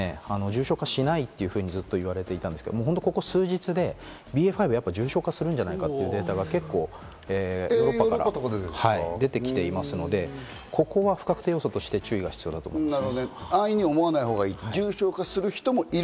ＢＡ．５も重症化しないというふうにずっと言われていたんですけど、ここ数日でＢＡ．５、やっぱり重症化するんじゃないかというデータが出てきていますので、ここは不確定要素として注意が必要だと思います。